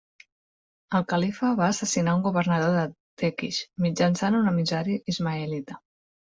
El califa va assassinar un governador de Tekish mitjançant un emissari ismaelita.